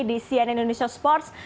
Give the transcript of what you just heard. di cnn indonesia sports